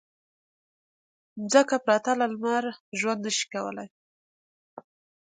مځکه پرته له لمر ژوند نه شي کولی.